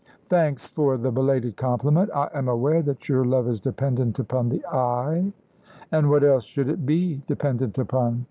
"Thanks for the belated compliment. I am aware that your love is dependent upon the eye." "An' what else should it be dependent upon?"